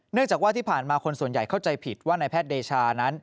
จากว่าที่ผ่านมาคนส่วนใหญ่เข้าใจผิดว่านายแพทย์เดชานั้น